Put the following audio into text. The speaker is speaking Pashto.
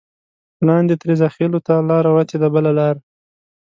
لاندې ترې زاخېلو ته لاره وتې ده بله لاره.